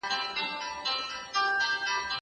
زه کولای سم درسونه اورم؟!